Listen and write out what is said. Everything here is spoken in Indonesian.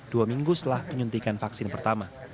dua minggu setelah penyuntikan vaksin pertama